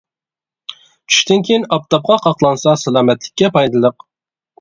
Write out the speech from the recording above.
چۈشتىن كېيىن ئاپتاپقا قاقلانسا سالامەتلىككە پايدىلىق.